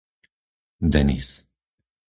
Denis